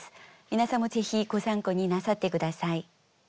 皆さんもぜひご参考になさって下さい。